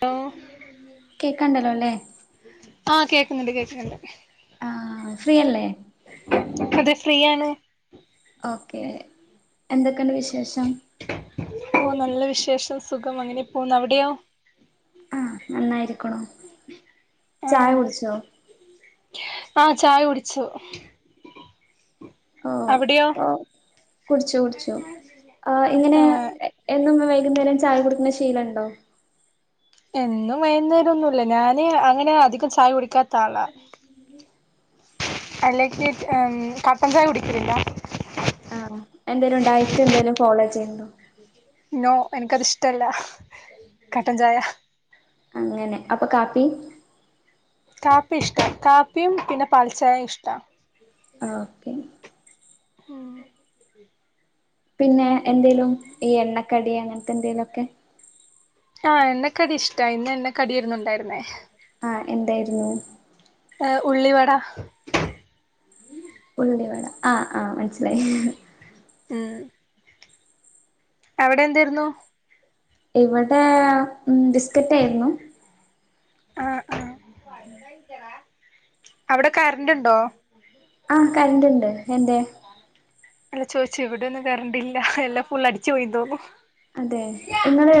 Hello കേക്കാണ്ടല്ലോല്ലെ? ആഹ് കേക്കുന്നുണ്ട് കേക്ക്ണ് ണ്ട് ഫ്രീയല്ലേ? അതെ ഫ്രീയാണ് ഓക്കേ, എന്തെക്കെണ്ട് വിശേഷം? ഓഹ് നല്ല വിശേഷം സുഖം അങ്ങനെ പോവ്ന്നു അവിടെയോ? ആഹ് നന്നായിരിക്കുണു ചായ കുട്ച്ചോ? ആഹ്, ചായ കുടിച്ചു. ഓ അവിടെയോ ഓ കുട്ച്ചു കുട്ച്ചു ആ ആ ഇങ്ങെനെയാ? എന്നും വൈകുന്നേരം ചായ കുടിക്ക്ണ ശീലണ്ടോ? എന്നും വൈകുന്നേരൊന്നുല്ല ഞാന് അങ്ങനെ അധികം ചായ കുടിക്കാത്താളാ ഐ ലൈക്ക് നീറ്റ് ഓക്കെ കട്ടം ചായ കുടിക്കലില്ല ആ എന്തേലും ഡയറ്റെന്തേലും ഫോളോ ചെയ്യ്ണ്ടോ? നോ, എനക്കത് ഇഷ്ടല്ല കട്ടം ചായ അങ്ങനെ അപ്പ കാപ്പി. കാപ്പിയിഷ്ടാ കാപ്പിയും, പിന്നെ പാൽച്ചായിഷ്ടാ ഓക്കെ പിന്നെ എന്തേലും ഈ എണ്ണക്കടി അങ്ങൻത്തെന്തേലൊക്കെ? ആഹ് എണ്ണ കടിയിഷ്ടാ ഇന്ന് എണ്ണ കടിയേരുന്നുണ്ടായിരുന്നേ ആ എന്തായിരുന്നു? ഏഹ് ഉള്ളിവട ഉള്ളിവട ആ ആ മനസ്സിലായി ഉം അവടെന്തേരുന്നു? ഇവെടെ ഉം ബിസ്ക്കെറ്റായ്ര്ന്നു ആഹ് ആഹ് ഉം അവ്ടെ കര്ന്റ്ണ്ടോ? ആഹ് കറന്റ് ഉണ്ട് എന്തേ അല്ല ചോയ്ച്ചു ഇവിടെ ഒന്നും കറണ്ട്ല്ല എല്ലാം ഫുൾ അടിച്ച്പോയീന്ന് തോന്ന്ണു അതെ ഇങ്ങള്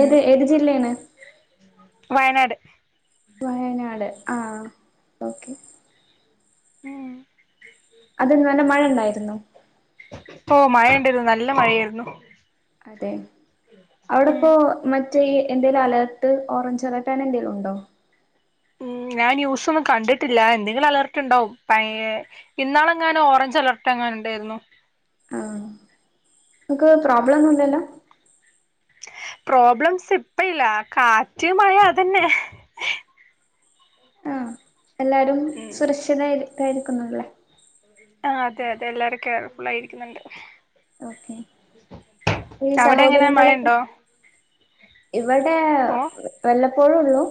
ഏത് ഏത് ജില്ലേണ് വയനാട് വയനാട് ആഹ് ഓക്കെ ഏഹ് അത് ഇങ്ങനെ മഴ ഇണ്ടായിരിന്നോ ഓഹ് മഴ ഇണ്ടയ്ര്ന്നു നല്ല മഴയാര്ന്നു അതെ ഉം അവ്ടെപ്പോ മറ്റേഈ എന്തേലും അലർട്ട് ഓറഞ്ച് അലർട്ട് ആനെ എന്തെലും ഉണ്ടോ ഉം ഞാൻ ന്യൂസ്ഒന്നും കണ്ട്ട്ടില്ല എന്തെങ്കിലും ഒര് അലർട്ട് ഇണ്ടാവും പഴേ ഇന്നാളെങ്ങനെ ഓറഞ്ച് അലർട്ട് എങ്ങാനും ഇണ്ടേയ്ര്ന്നു ആഹ് ഇക്ക് പ്രോബ്ലം ഒന്നുംല്ലല്ലോ പ്രോബ്ലംസ് ഇപ്പയില്ല കാറ്റ് മഴ അതന്നെ ആഹ് എല്ലാരും ഉം സുരക്ഷിതായിരിക്കായിരിക്കുന്നുല്ലേ ആഹ് അതെ അതെ എല്ലാരും കെയർഫുൾ ആയിരിക്കുന്ന്ണ്ട് ഓക്കെ ഈ അവിടെ എങ്ങനെ മഴയുണ്ടോ ഇവടെ ഓ വല്ലപ്പോഴള്ളൂ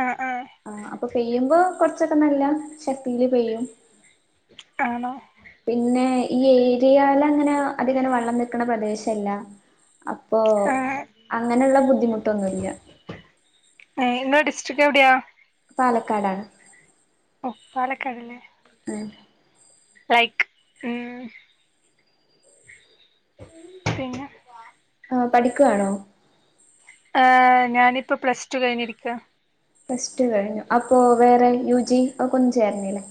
ആഹ് ആഹ് ആഹ് അപ്പ പെയ്യുമ്പോ കൊർച്ചൊക്കെ നല്ല ശക്തിയില് പെയ്യും ആണോ പിന്നെ ഈ ഏരിയേലങ്ങനെ അത്ങ്ങനെ വെള്ളം നിക്ക്ണ പ്രദേശല്ല അപ്പോ ആ അങ്ങനെള്ള ബുദ്ധിമുട്ടൊന്നുല്ല അയ്ന്ന ഡിസ്ട്രിക്റ്റ് എവ്ടെയാ പാലക്കാടാണ് ഒഹ് പാലക്കാടന്നെ ആഹ് ലൈക് ഉം പിന്നെ ആഹ് പഠിക്കുവാണോ ഏ് ഞാനിപ്പോ പ്ലസ് ടു കഴിഞ്ഞിരിക്കാ പ്ലസ് ടു കഴിഞ്ഞു അപ്പാേ വേറെ യു യുജി അഒക്കെ കൊൻജായിര്ന്നില്ലേ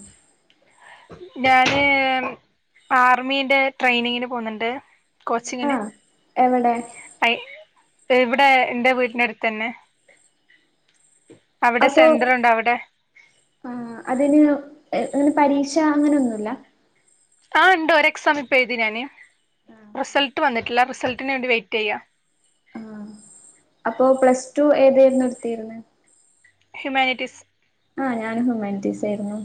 ഞാന് ആർമീന്റെ ട്രെയിനിങ്ങിന് പോവുന്നുണ്ട് കോച്ചിങ്ങിന് ആഹ് എവിടെ അയ് എവ്ടെ എന്റെ വീട്ന്റെ അടുത്തന്നെ [inaudible] അപ്പോ ആഹ് അതിന് അങ്ങനെ പരീക്ഷ അങ്ങനൊന്നുല്ല ആഹ് ഉണ്ട് ഒര്എക്സാമ് ഇപ്പോ എഴുതി ഞാന് റിസൾട്ട് വന്നിട്ടില്ല റിസൾട്ടിന് വേണ്ടി വെയിറ്റെയ്യാ ആഹ് അപ്പോ പ്ലസ് ടു ഏതെയ്രുന്നു ഇട്ത്തിയ്ര്ന്നെ ഹ്യൂമാനിറ്റീസ് ആഹ് ഞാനൻ ഹുമാൻറ്റീസ് ആയ്രുന്നു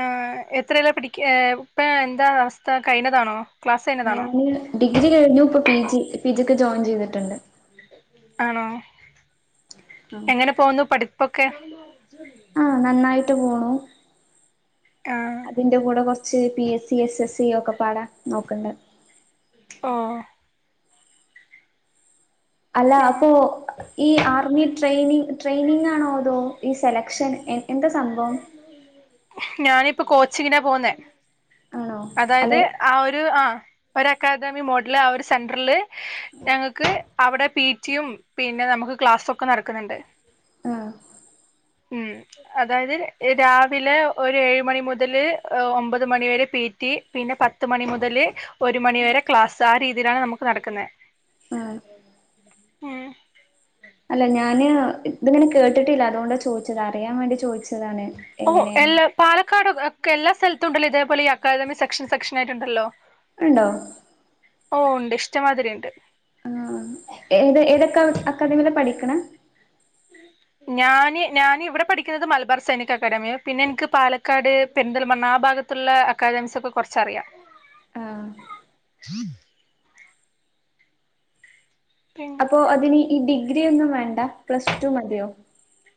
ആഹ് എത്രെലാ പടിക്ക ഇപ്പെ എന്താ അവസ്ഥ കഴിഞ്ഞതാണോ ക്ലാസ് കഴിഞ്ഞതാണോ ഞാന് ഡിഗ്രി കഴിഞ്ഞു ഇപ്പൊ പി ജി പി ജിക്ക് ജോയിൻ ചെയ്തിട്ടുണ്ട് ആണോ ആഹ് എങ്ങനെ പോവുന്നു പഠിപ്പൊക്കെ ആഹ് നന്നായിട്ട് പോണൂ ആ അതിന്റെ കൂടെ കാെർച്ച് P S C S S C ഒക്കെപ്പാടാ നോക്ക്ണ്ട് ആഹ് അല്ല പിന്നെ അപ്പോ ഈ ആർമി ട്രെയ്നിങ് ട്രെയിനിങ്ങാണോ അതോ ഈ സെലക്ഷൻ എ എന്താ സംഭവം ഞാനിപ്പോ കോച്ചിങ്ങിനാ പോവുന്നെ ആണോ അതായത് അല്ലെ ആ ഒരു ആഹ് ഒരു അക്കാദമി മോഡ്ല് ആ ഒരു സെന്റർല് ഞങ്ങക്ക് അവിടെ പീ ജി യും പിന്നെ നമുക്ക് ക്ലാസ്സാെക്കെ നടക്ക്ണ് ണ്ട് ആഹ് ഉം അതായത് രാവിലെ ഒരു ഏഴ് മണി മുതല് ഒമ്പത് മണി വരെ പീ പിടി പിന്നെ പത്ത് മണി മുതൽ ഒരു മണിവരെ ക്ലാസ്സ് ആ രീതിയിലാണ് നമുക്ക് നടക്കുന്നത് ആ ഉം അല്ല ഞാന് ഇതിങ്ങനെ കേട്ടിട്ടില്ല അതുകൊണ്ടാ ചോദിച്ചത് അറിയാൻ വേണ്ടി ചോദിച്ചത് ഓഹ എല്ല- പാലക്കാട് ഒ എല്ലാ സ്ഥലത്തും ഉണ്ടല്ലോ ഇതേപോലെ അക്കാദമി സെക്ഷൻ സെക്ഷൻ ഉണ്ടല്ലോ ഉണ്ടോ ഓ ഉണ്ട് ഇഷ്ടമാതിരി ഉണ്ട് ആ ഏത് ഏതക്ക അക്കാദമിയിലാ പഠിക്കണ [unintelligible] ഞാന് ഞാന ഇവിടെ പഠിക്കുന്നത് മലബാർ സൈനിക അക്കാദമിയ പിന്നെ എനിക്ക് പാലക്കാട് പെരിന്തൽമണ് ആ ഭാഗത്ത് അവിടുത്തെ ഉള്ള അക്കാദമിസ് ഒക്കെ കുറച്ചറിയാം ആഹ് [unintelligible] അപ്പോ അതിന് ഈ ഡിഗ്രി ഒന്നും വേണ്ട പ്ലസ് ടു മതിയോ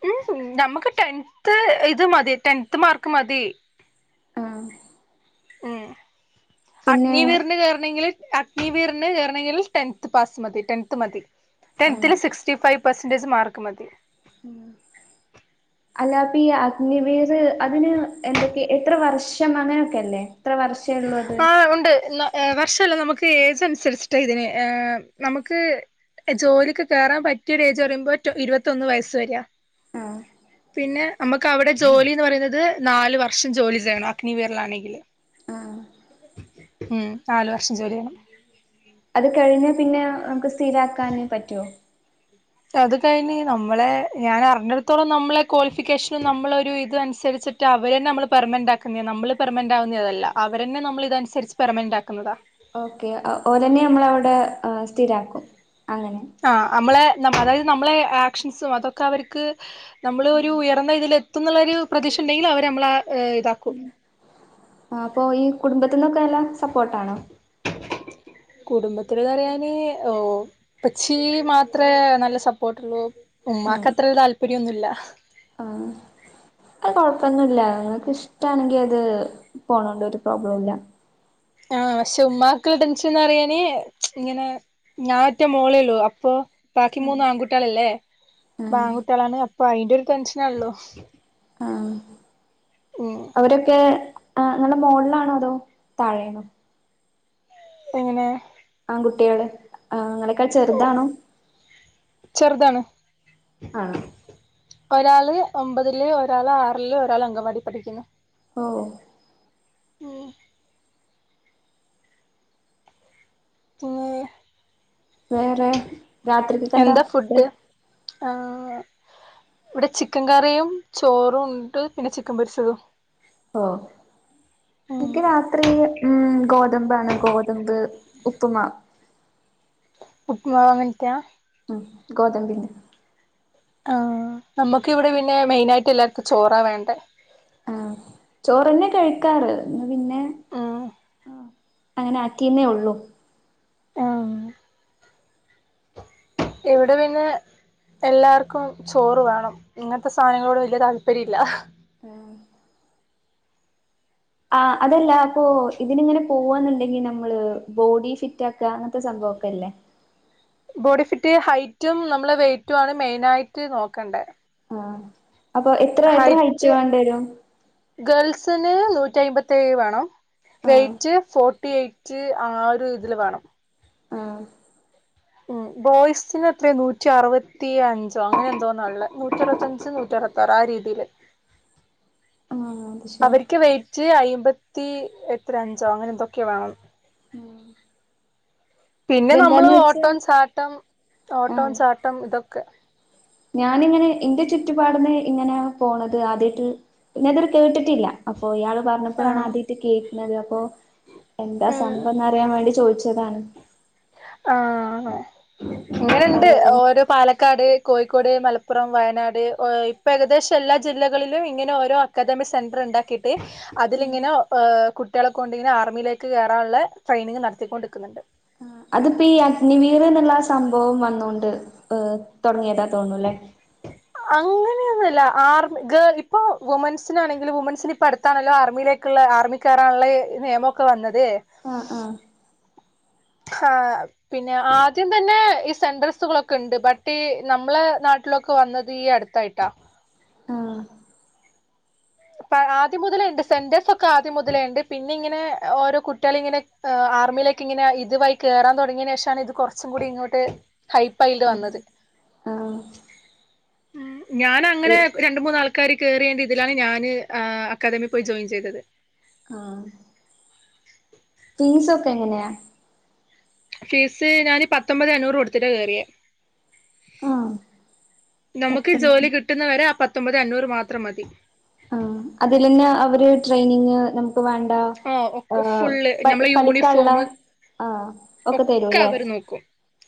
ഉം നമുക്ക് ടെൻത്ത് ഇത് മതി ടെൻത്ത് മാർക്ക് മതി ആഹ് ഉം പിന്നെ [unintelligible] കേയറണെങ്കിൽ [unintelligible] ചേരണമെങ്കിൽ ടെൻത് പാസ് മതി ടെൻത് മതി ടെൻ തിൽ ആഹ് സിക്സ്റ്റി ഫൈവ് പെർസെൻേജ് മാർക്ക് മതി ഉ അല്ലാപ്പ ഈ അഗ്നി വേർ അതിന് എന്തൊക്കെയ എത്ര വർഷം അങ്ങനെയൊക്കെല്ലേ ആഹ് ഉണ്ട് എന്നാ വർഷമല്ല നമുക്ക് ഏജ് അനുസരിച്ചിട്ട ഇതിന് നമുക്ക് ജോലിക്ക് കേറാൻ പറ്റിയ ഒരു ഏജ് പറയുമ്പോൾ ഇരുപത്തൊന്ന് വയസ്സ് വര ആഹ് പിന്നെ നമുക്ക് അവിടെ ജോലിന്ന് പറയുന്നത് നാല് വർഷം ജോലി ചെയ്യണം അഗ്നി വേർൽ ആണെങ്കില് ആഹ് ഉം നാലു വർഷം ജോലി ചെയ്യണം അത് കഴിഞ്ഞാൽ പിന്നെ നമുക്ക് സ്ഥിരമാക്കാൻപറ്റുവോ അത് കഴിഞ്ഞ് നമ്മളെ ഞാൻ അറിഞ്ഞിടത്തോളം നമ്മളെ ക്വാളിഫിക്കേഷനും നമ്മളൊ ഒരു ഇത അനുസരിച്ചിട്ട് അവരന്നെ നമ്മള് പെർമന്റ ആക്കുന്നത നമ്മള് പെർമെന്റ് ആകുന്നതല്ല അവ തന്നെ നമ്മള ഇതനുസരിച്ച് പെർമെന്റ് ആ കുന്നതാ ഓക്കെ ഓലെന്നെ നമ്മൾ അവിടെ സ്ഥിരാക്കും അങ്ങനെ ആ നമ്മള അതായത് നമ്മളെ ആക്ഷൻസും അതൊക്കെ അവർക്ക് നമ്മൾ ഒരു- നമ്മൾഇതിൽ എത്തുന്നരു പ്രതീക്ഷ ഉണ്ടെങ്കിൽ അവര് നമ്മള് ഇതാക്കും ആ അപ്പൊ ഈ കുടുംബത്തിന്നൊക്കെ എല്ലാം സപ്പോർട്ടാണോ കുടുംബത്തില് പറയാന്ഓ ഉപ്പച്ചി മാത്രമേ നല്ല സപ്പോർട്ട് ഉള്ളൂ ഉമ്മാക്ക് ആഹ് അത്ര തൽപര്യ ഒന്നും ഇല്ല ആഹ് അത് കൊഴപ്പൊന്നുമല്ല നിങ്ങക്ക് ഇഷ്ടാണെങ്കി അത് പോണോണ്ട് ഒരു പ്രോബ്ലം ഇല്ല ആഹ് പക്ഷേ ഉമ്മാക്കുള്ള ടെൻഷന്ന് അറിയാനേ ഇങ്ങനെ ഞാൻ ഒറ്റ മോളെ ഉള്ളൂ അപ്പൊ ബാക്കി ആഹ് മൂന്ന് ആൺകുട്ടികളല്ലേ ആഹ് ആൺകുട്ടികളാണ് അപ്പൊ അയിന്റെ ഒരു ടെൻഷനെ ഉള്ളൂ ആഹ് അവരൊക്കെ ആ നിങ്ങളെ മുകളിലാണോ അതോ താഴെയണോ എങ്ങനെ ആൺകുട്ടികൾ നിങ്ങളെക്കാൾ ചെറുതാണോ ചെറുതാണ് ആ ഒരാള് ഒമ്പതില് ഒരാള് ആറില് ഒരാൾ അംഗവാടി പഠിക്കുന്നു ഓഹ് ഉം പിന്നെ വേറെ എന്താ ഫുഡ് ആഹ് ഇവിടെ ചിക്കൻ കറിയും ചോറും ഉണ്ട് പിന്നെ ചിക്കൻ പൊരിച്ചതും ഓഹ് ഉം ഇക്ക് രാ രാത്രി ഉം ഗോതമ്പാണ് ഗോതമ്പ് ഉപ്പുമാവ് ഉപ്പമാവ് അങ്ങനത്തെയാ ഉം ഗോതമ്പിന്റെ ആഹ് നമുക്ക് ഇവിടെ പിന്നെ മെയിന് ആയിട്ട് എല്ലാവർക്കും ചോറ വേണ്ടേ ആഹ് ചോറന്നെ കഴിക്കാറ് ഇന്ന് പിന്നെ ആഹ് അങ്ങനെ ആറ്റിയന്നേ ഉള്ളൂ ആഹ് ഇവിടെ പിന്നെ എല്ലാർക്കും ചോറ് വേണം ഇങ്ങനത്തെ സാധനങ്ങളോട് വല്യ താല്പര്യം ഇല്ല ആഹ് ആഹ് അതല്ല അപ്പൊ ഇതിന് ഇങ്ങനെ പോവാന്നുണ്ടെങ്കി നമ്മള് ബോഡി ഫിറ്റ് ആക്കുക അങ്ങനത്തെ സംഭവൊക്കെ ഇല്ലേ ബോഡി ഫിറ്റ് ഹൈറ്റും നമ്മളെ വെയ്റ്റും ആണ് മെയിൻ ആയിട്ട് നോക്കണ്ടേ ആഹ് അപ്പൊ എത്ര എത്ര ഹൈറ്റ് വേണ്ടി വരും ഗേൾസിന് നൂറ്റി അമ്പത്തിഏഴ് വേണം ആഹ് വെയ്റ്റ് ഫോർട്ടി എയ്റ്റ് റ്റ് ആ ഒരു ഇതില് വേണം ആഹ് ഉം ബോയ്സിന് എത്രേ നൂറ്റി അറുപത്തിയഞ്ചോ അങ്ങനെ എന്തോന്നാള്ളെ നൂറ്റി അറുത്തഞ്ച് നൂറ്റി അറുപത്തി യാറ് ആ രീതിയിൽ ആഹ് അത് ശരി അവർക്ക് വെയ്റ്റ് അയമ്പത്തി എത്ര അഞ്ചോ അങ്ങനെ എന്തൊക്കെ വേണം ഉം പിന്നെ നമ്മള് ഓട്ടോം ചാട്ടം ഓട്ടോം ആഹ് ചാട്ടം ഇതൊക്കെ ഞാനിങ്ങനെ ഇന്റെ ചുറ്റുപാടിന്ന് ഇങ്ങനെ പോണത് ആദ്യമായിട്ട് ഇങ്ങനൊരുത് കേട്ടിട്ടില്ല അപ്പോ ഇയാൾ പറഞ്ഞപ്പോഴാണ് ആഹ് ആദ്യമായിട്ട് കേൾക്കുന്നത് അപ്പോ എന്താ സംഭവം എന്ന് അറിയാൻ വേണ്ടി ചോദിച്ചതാണ് ആഹ് ആഹ് ഇങ്ങനുണ്ട് ഏഹ് ഓരോ പാലക്കാട് കോഴിക്കോട് മലപ്പുറം വയനാട് ഇപ്പൊ ഏകദേശം എല്ലാ ജില്ലകളിലും ഇങ്ങനെ ഓരോ അക്കാദമി സെന്റർ ഉണ്ടാക്കിയിട്ട് അതിലിങ്ങനെ കുട്ടികളെ കൊണ്ടിങ്ങനെ ആർമിയിലേക്ക് കയറാനുള്ള ട്രെയിനിങ് നടത്തിക്കൊണ്ടിക്കുന്നുണ്ട് ആഹ് അതിപ്പോ ഈ അഗ്നി വീർ എന്നുള്ള സംഭവം വന്നൊണ്ട് ഏഹ് തുടങ്ങിയതാ തോന്നുന്നു അല്ലേ അങ്ങനെയൊന്നല്ല ആർമി ഗേൾ ഇപ്പൊ വുമൻസിനാണെങ്കിൽ വുമൻസിന് ഇപ്പടുത് ത്താണല്ലോ ആർമിയിലേക്കുള്ള ആർമിക്കേറാനുള്ള നിയമൊക്കെ വന്നത് ആഹ് ആഹ് ആഹ് പിന്നെ ആദ്യം തന്നെ ഈ സെന്റർസുകളൊക്കെ ഉണ്ട് ബട്ട് ഈ നമ്മളെ നാട്ടിലൊക്കെ വന്നത് ഈ അടുത്ത് ത്തായിട്ട ആഹ് ആദ്യം മുതലേണ്ട് സെന്റർസ് ഒക്കെ ആദ്യം മുതലുണ്ട് പിന്നെ ഇങ്ങനെ ഓരോ കുട്ടികളും ഇങ്ങനെ ആർമിയിലേക്ക് ഇങ്ങനെ ഇതുവഴി കേറൻ തുടങ്ങിയന് ശേഷമാണ് ഇത് കുറച്ചും കൂടി ഇങ്ങോട്ട് ഹൈ അ ആഹ് ഉം ഞാൻ ഈ അങ്ങനെ രണ്ട് മൂന്നാൾക്കാർ കേയറിയണ്ട് ഇതിലാണ് ഞാൻ ഏഹ് അക്കാദമിയിൽ പോയി ജോയിൻ ചെയ്തത് ആഹ് ഫീസ് ഒക്കെ എങ്ങനെയാ ഫീസ് ഞാന് പത്തൊമ്പതെ അഞ്ഞൂറ് കൊടുത്തിട്ട കേയറിയേ ആഹ് നമുക്ക് പത്തൊമ്പത് ജോലി കിട്ടുന്നവരെ ആ പത്തൊമ്പത് അഞ്ഞൂറ് മാത്രം മതി ആ അതിൽ തന്നെ അവര് ട്രെയിനിങ് നമുക്ക് വേ ലോ ഓ ഒക്കെ എഹ് ഫുള്ള് പഠി നമ്മളെ പഠിക്കാള്ള യൂണിഫോം ആഹ് ഒക്കെ തരുല്ലേ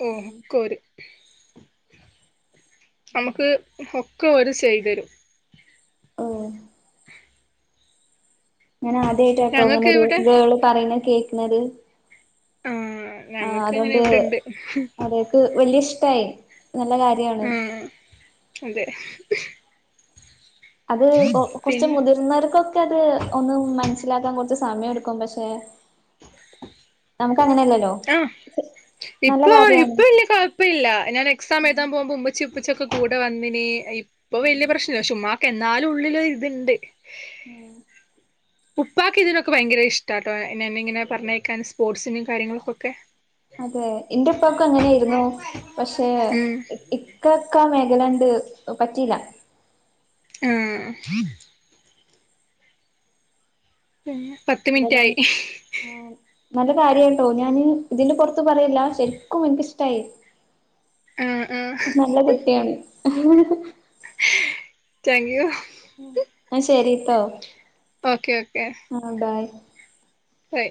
ഏഹ് കോര് നമുക്ക് ഒക്കെ ഒരു ചെയ്തരും ഉം ഞാനാദ്യയിട്ടാട്ടോ ഇങ്ങനെ ഞങ്ങക്ക് ഒരു ഇവിടെ ഗേള് പറയുന്ന കേക്കുന്നത് ആ ആഹ് ഞങ്ങക്ക് ഇങ്ങനെ അതുകൊണ്ട് ഇവിടെണ്ട് അതെ ക്ക് വല്യ ഇഷ്ടായി നല്ല കാര്യാണ് ആ അതെ അത് കൊ കൊറച്ച് പിന്നെ മുതിർന്നവർക്കൊക്കെ അത് ഒന്നും മനസ്സിലാക്കാൻ കുറച്ച് സമയം എടുക്കും പക്ഷെ [inaudible] നമുക്കങ്ങനല്ല ആഹ് ഇപ്പ ഇപ്പ ഇല്ല കുഴ പ്പ ഇല്ല ഞാൻ എക്സാം എഴുതാൻ പോവുമ്പോ ഉമ്മിച്ചി ഉപ്പിച്ചൊക്കെ കൂടെ വന്നിന് ഇപ്പൊ ഉം വലിയ പ്രശ്നമല്ല ക്ഷേ ഉമ്മാ ക്കെന്നാലും ഉള്ളില് ഇത്ണ്ട് ഉം ഉപ്പാക്ക് ഇതിനൊക്കെ ഭയങ്കര ഇഷ്ട്ടാട്ടോ എന്നെ ഇങ്ങനെ പറഞ്ഞയക്കാൻ സ്പോർട്സിനു കാര്യങ്ങൾക്കൊക്കെ അതെ ഇന്റെപ്പാക്കു അങ്ങനെരുന്നു പക്ഷെ ഉം ഇ കക്ക മേഖലണ്ട് പറ്റിയില്ല ആഹ് പിന്നെ പത്ത് മിനിറ്റ് എന്തായാലും ആയി ആഹ് നല്ല കാര്യാട്ടോ ഞാന് ഇതിന്റെ പുറത്ത് പറയല്ല ശരിക്കു ഇൻക്ക് ഷ് ആഹ് ആഹ് നല്ല കുട്ടിയാണ് താങ്ക് യൂ ന്ന ശരീട്ടോ ഓക്കെ ഓക്കെ ആഹ് ബൈ ഹയ്